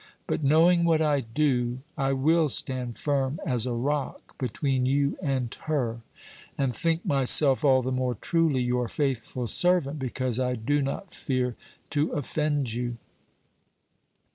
But knowing what I do, I will stand firm as a rock between you and her; and think myself all the more truly your faithful servant because I do not fear to offend you."